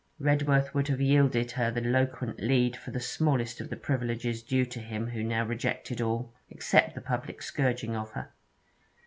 Redworth would have yielded her the loquent lead for the smallest of the privileges due to him who now rejected all, except the public scourging of her.